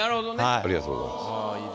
ありがとうございます。